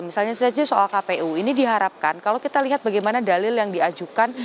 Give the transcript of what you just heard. misalnya saja soal kpu ini diharapkan kalau kita lihat bagaimana dalil yang diajukan